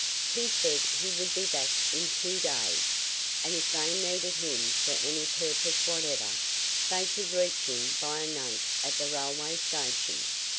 He said he would be back in two days, and if they needed him for any purpose whatever, they could reach him by a note at the railway station.